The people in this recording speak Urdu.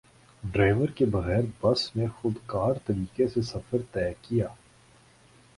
ڈرائیور کے بغیر بس نے خودکار طریقے سے سفر طے کیا